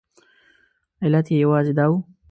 علت یې یوازې دا و.